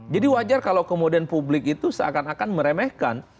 jadi wajar kalau kemudian publik itu seakan akan meremehkan